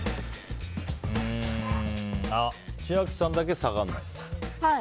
あ、千秋さんだけ下がらない。